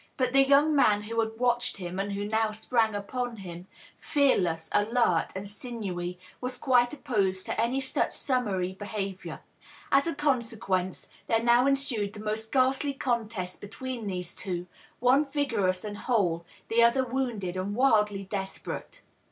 But the young man who had watched him and who now sprang upon him, fearless, alert, and sinewy, was quite opposed to any such summary behavior. As a consequence there now ensued the most ghastly contest between these two, one vigorous and whole, the other wounded and wildly desperate.